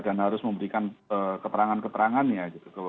dan harus memberikan keterangan keterangan ya